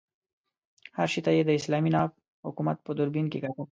هر شي ته یې د اسلامي ناب حکومت په دوربین کې کتل.